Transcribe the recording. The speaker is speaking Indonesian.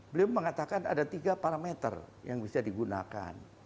beliau mengatakan ada tiga parameter yang bisa digunakan